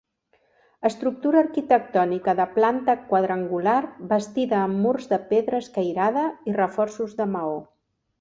Estructura arquitectònica de planta quadrangular, bastida amb murs de pedra escairada i reforços de maó.